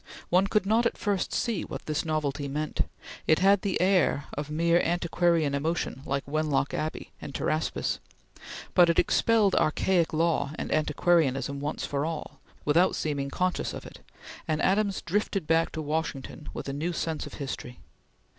One could not at first see what this novelty meant; it had the air of mere antiquarian emotion like Wenlock Abbey and Pteraspis; but it expelled archaic law and antiquarianism once for all, without seeming conscious of it; and Adams drifted back to Washington with a new sense of history.